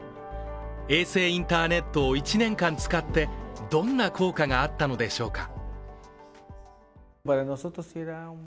衛星インターネットを１年間使ってどんな効果があったのでしょうか。